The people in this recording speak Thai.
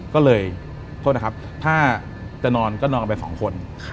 ก็เลยโทษนะครับถ้าจะนอนก็นอนกันไปสองคน